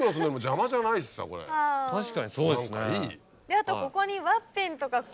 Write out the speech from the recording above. あとここに。